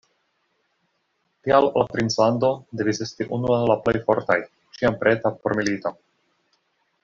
Tial la princlando devis esti unu el la plej fortaj, ĉiam preta por milito.